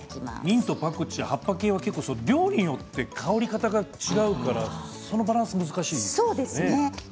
ミント、パクチー葉っぱ系は料理によって香り方が違うからそのバランスが難しいですよね。